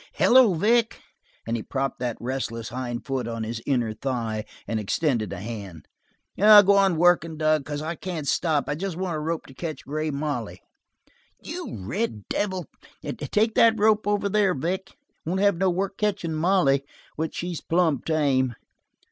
Hello, Vic!" and he propped that restless hind foot on his inner thigh and extended a hand. "Go an workin', Dug, because I can't stop; I just want a rope to catch Grey Molly." "You red devil take that rope over there, Vic. You won't have no work catchin' Molly. Which she's plumb tame.